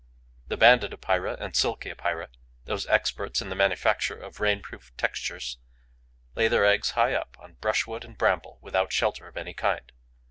The Banded Epeira and the Silky Epeira, those experts in the manufacture of rainproof textures, lay their eggs high up, on brushwood and bramble, without shelter of any kind.